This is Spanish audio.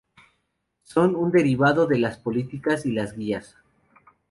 Son un derivado de las políticas y las guías.